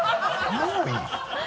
もういい？